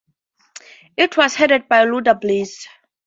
It was headed by Luther Bliss.